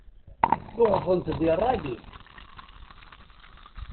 Tuɣeḍ-tent di rray-ik.